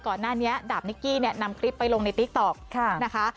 ก่อนหน้านี้ดาบนิกกี้เนี่ยนำคลิปไปลงในติ๊กต๊อกนะคะ